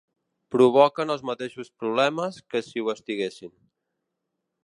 Provoquen els mateixos problemes que si ho estiguessin.